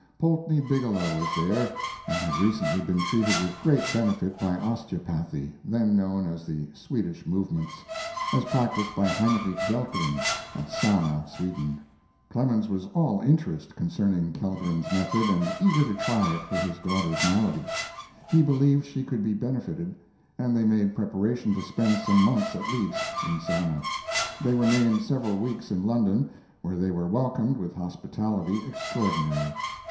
Poultney Bigelow was there, and had recently been treated with great benefit by osteopathy (then known as the Swedish movements), as practised by Heinrick Kellgren at Sanna, Sweden. Clemens was all interest concerning Kellgren's method and eager to try it for his daughter's malady. He believed she could be benefited, and they made preparation to spend some months at least in Sanna. They remained several weeks in London, where they were welcomed with hospitality extraordinary.